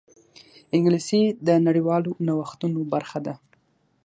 انګلیسي د نړیوالو نوښتونو برخه ده